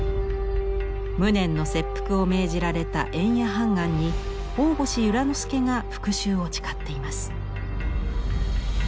無念の切腹を命じられた塩冶判官に大星由良之助が復しゅうを誓っています。